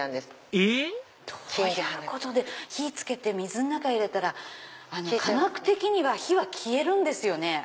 えっ⁉火付けて水の中入れたら科学的には火は消えるんですよね。